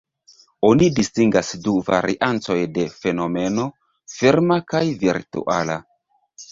Oni distingas du variantoj de fenomeno: firma kaj virtuala.